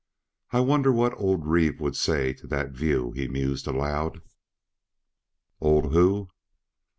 "I wonder what old Reeve would say to that view," he mused aloud. "Old who?"